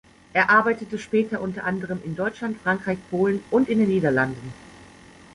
Er arbeitete später unter anderem in Deutschland, Frankreich, Polen und in den Niederlanden.